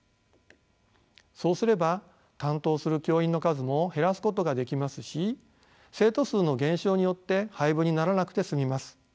そうすれば担当する教員の数も減らすことができますし生徒数の減少によって廃部にならなくて済みます。